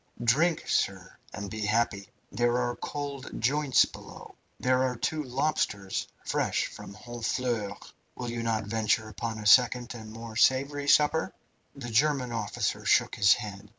Drink, sir, and be happy! There are cold joints below. There are two lobsters, fresh from Honfleur. Will you not venture upon a second and more savoury supper?" The German officer shook his head.